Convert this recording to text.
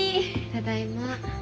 ただいま。